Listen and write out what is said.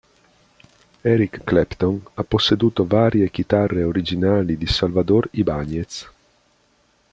Eric Clapton ha posseduto varie chitarre originali di Salvador Ibáñez.